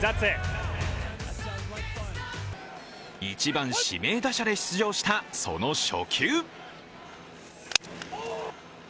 １番・指名打者で出場したその初球。